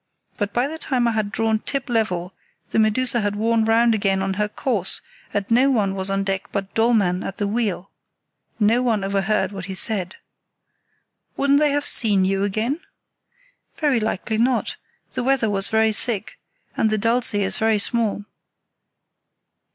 But by the time I had drawn up level the Medusa had worn round again on her course, and no one was on deck but Dollmann at the wheel. No one overheard what he said." "Wouldn't they have seen you again?" "Very likely not; the weather was very thick, and the Dulce is very small."